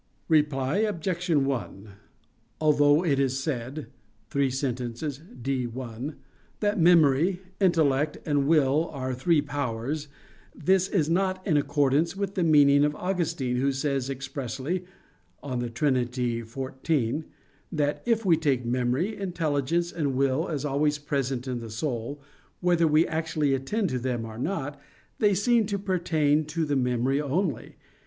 Reply Obj. 1: Although it is said (3 Sent. D, 1) that memory, intellect, and will are three powers, this is not in accordance with the meaning of Augustine, who says expressly (De Trin. xiv) that "if we take memory, intelligence, and will as always present in the soul, whether we actually attend to them or not, they seem to pertain to the memory only.